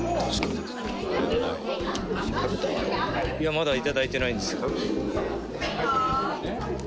まだいただいてないです。